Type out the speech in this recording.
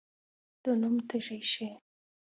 د نوم تږی شي.